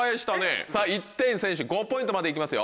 さぁ１点先取５ポイントまで行きますよ。